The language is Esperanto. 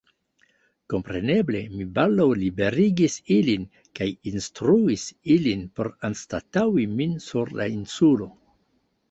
Kompreneble, mi baldaŭ liberigis ilin, kaj instruis ilin por anstataŭi min sur la insulo.